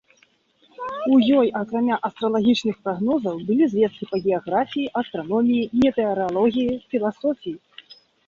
У ёй, акрамя астралагічных прагнозаў, былі звесткі па геаграфіі, астраноміі, метэаралогіі, філасофіі.